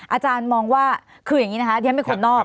อาจารย์มองว่าคืออย่างนี้นะคะที่ฉันเป็นคนนอก